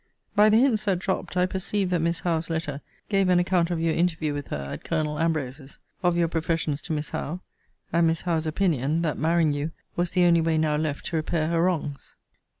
By the hints that dropped, I perceived that Miss Howe's letter gave an account of your interview with her at Col. Ambrose's of your professions to Miss Howe; and Miss Howe's opinion, that marrying you was the only way now left to repair her wrongs.